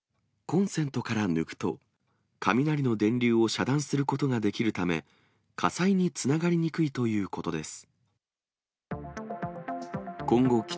コンセントから抜くと、雷の電流を遮断することができるため、火災につながりにくいということです。